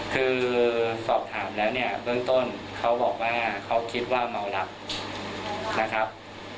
คือสอบถามแล้วเนี่ยเบื้องต้นเขาบอกว่าเขาคิดว่าเมาหลับนะครับ